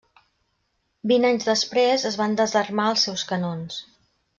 Vint anys després, es van desarmar els seus canons.